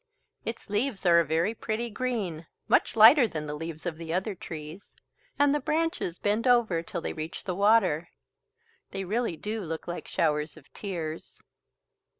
It's leaves are a very pretty green, much lighter than the leaves of the other trees. And the branches bend over till they reach the water. They really do look like showers of tears.